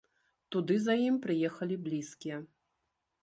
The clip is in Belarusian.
Туды за ім прыехалі блізкія.